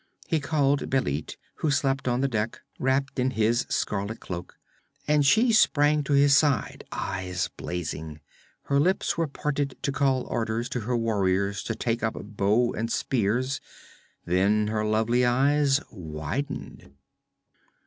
He called Bêlit, who slept on the deck, wrapped in his scarlet cloak; and she sprang to his side, eyes blazing. Her lips were parted to call orders to her warriors to take up bow and spears; then her lovely eyes widened.